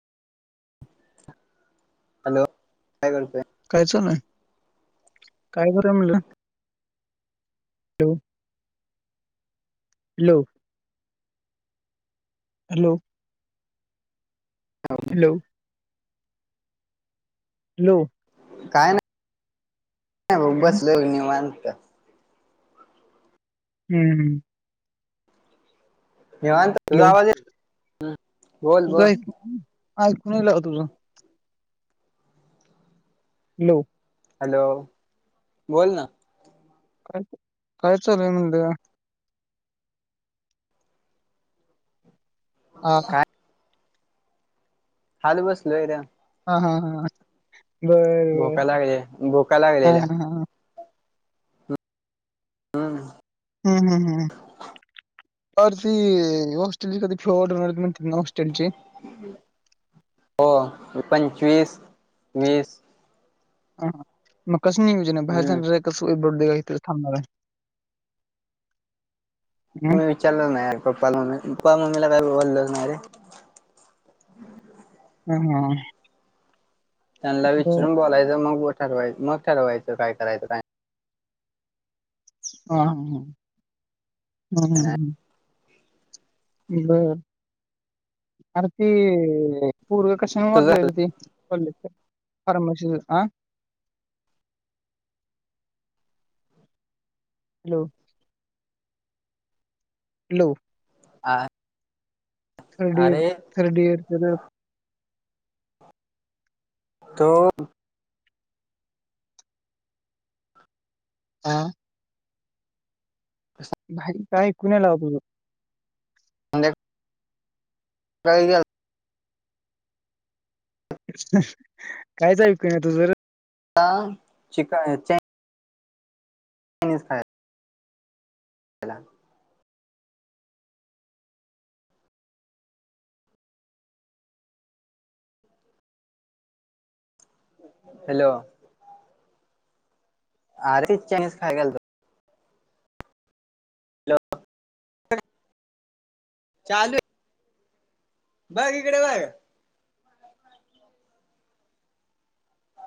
Hello काय करतंय काय चालय काय कय म्हलं हॅो हॅलो हॅलो हो हॅलो हॅलो काय नाही हम्म, बसले नि मानत हम्म हम हेवानत तुझा हॅलो. आवाज आहे बोल बोल आऐकूनल हो तुझ नऊ हॅलो बोल ना काय काय चालूय म्हणत ह काय हाल बसलो आहेर्या हा हा हा बर भोका लागले भोका लागलेल्या बर हा ह हम्म हम्म हम् हम् पररतीी हॉस्टेल ची कधी फ्लोअर म्हणते ना हॉस्टेल ची हो पंचवीस वीस हा मग कस नाहीयोजन बाहेर हम्म जाणार आहे कसं बो थांबणार आहे हं? मी विचारल नाही पप्पाला म्मी पप्पा म्मीला काय बोललोणारे ह हा त्यांना बर, विचरून बोलायचं मग ठरवाय मग ठरवायचं काय करायचं काय हा ह ह हम् नाही हम् बर अरे ती पूर्व कशाने तुझ मरलेरे ती पले फारमशी ह हॅलो हॅलो ह थर्ड अर थर्ड यर त हा भा काही कुण्यालावपो म्ह [unintelligible] काही का [unintelligible] कायच ऐकू येईना तुझर ह शिकाय निय हला हॅलो. अरे, चायनीज खायला गेलतो. हॅलो [unintelligible] चालू आहे. बघ इकडे बग